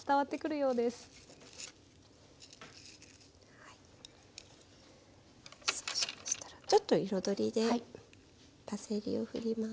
そうしましたらちょっと彩りでパセリをふります。